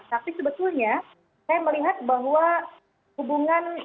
tapi sebetulnya saya melihat bahwa hubungan